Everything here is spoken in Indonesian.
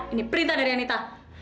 ini perintah dari anita